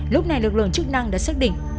lúc này lực lượng chức năng đã xác định